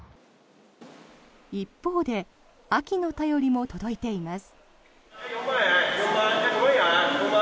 一方で秋の便りも届いています。